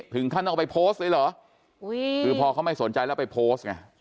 ถึงขั้นเอาไปโพสต์เลยเหรอคือพอเขาไม่สนใจแล้วไปโพสต์ไง